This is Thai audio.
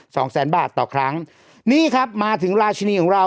สองแสนบาทต่อครั้งนี่ครับมาถึงราชินีของเรา